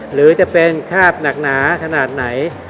หรือจะเป็นคาบหนักหนาขนาดไหน